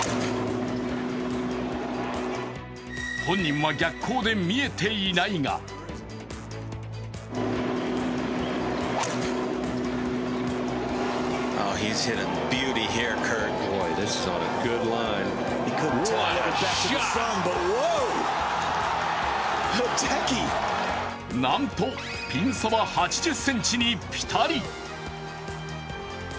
本人は逆光で見えていないがなんとピンそば８０ｃｍにぴたり。